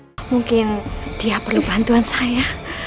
hai mungkin dia perlu bantuan saya